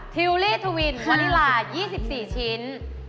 ธิวลี่ทุวินวานิลลา๒๔ชิ้น